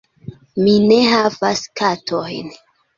Mi ne havas katojn.